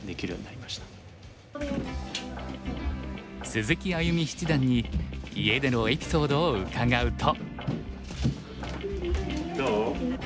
鈴木歩七段に家でのエピソードを伺うと。